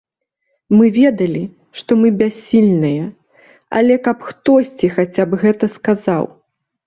Мы ведалі, што мы бяссільныя, але каб хтосьці хаця б гэта сказаў.